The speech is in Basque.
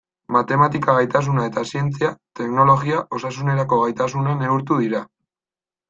Matematika gaitasuna eta zientzia, teknologia, osasunerako gaitasuna neurtu dira.